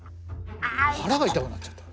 腹が痛くなっちゃった。